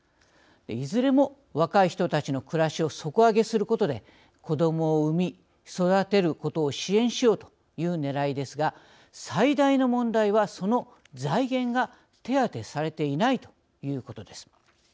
いずれも若い人たちの暮らしを底上げすることで子どもを産み、育てることを支援しようというねらいですが最大の問題はその財源が手当されていないということです。